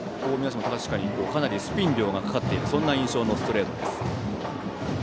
かなりスピン量がかかっているそんな印象のストレートです。